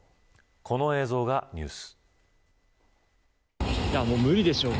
この映像がニュース。